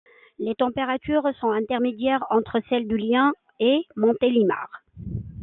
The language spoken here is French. Les températures sont intermédiaires entre celles de Lyon et Montélimar.